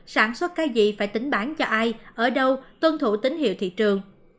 sản xuất cái gì phải tính bán cho ai ở đâu tuân thủ tín hiệu thị trường